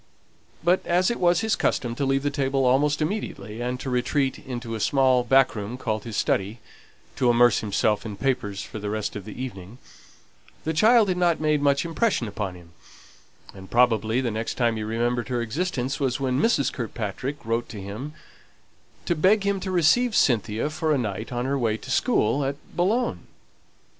But as it was his custom to leave the table almost immediately and to retreat into a small back room called his study, to immerse himself in papers for the rest of the evening, the child had not made much impression upon him; and probably the next time he remembered her existence was when Mrs. Kirkpatrick wrote to him to beg him to receive Cynthia for a night on her way to school at Boulogne.